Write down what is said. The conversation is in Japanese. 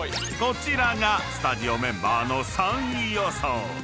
［こちらがスタジオメンバーの３位予想］